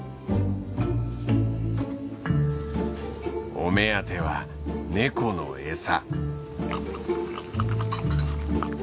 お目当てはネコの餌。